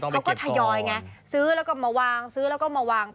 ทยอยไงซื้อแล้วก็มาวางซื้อแล้วก็มาวาง